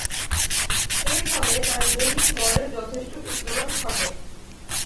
এরফলে তার বোলিং গড়ের যথেষ্ট উত্তরণ ঘটে।